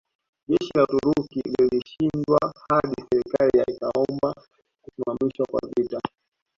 Jeshi la Uturuki lilishindwa hadi serikali ya ikaomba kusimamishwa kwa vita